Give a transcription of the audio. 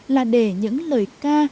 là để những lời ca